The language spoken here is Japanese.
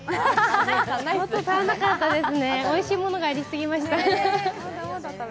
足らなかったですね、おいしいものがありすぎました。